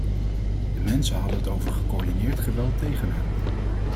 De mensen hadden het over gecoördineerd geweld tegen hen.